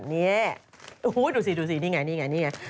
เนี่ยโหดูสิดูสินี่ไงนี่ไง